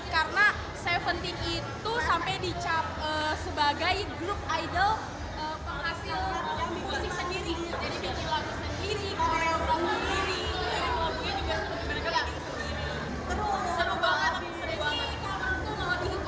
karena tujuh puluh itu sampai dicap sebagai grup idol penghasil yang dikuasai sendiri